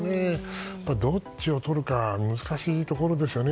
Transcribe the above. どっちをとるか難しいところですよね。